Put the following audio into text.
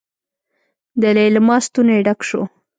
د ليلما ستونی ډک شو.